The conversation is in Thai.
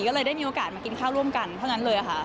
ก็เลยได้มีโอกาสมากินข้าวร่วมกันเท่านั้นเลยค่ะ